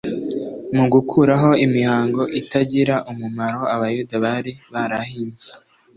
Mu gukuraho imihango itagira umumaro abayuda bari barahimbye,